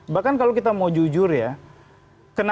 bahkan kalau kita mau jujur kita bisa mencari kredibilitas lembaga